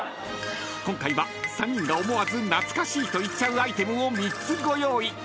［今回は３人が思わず懐かしいと言っちゃうアイテムを３つご用意］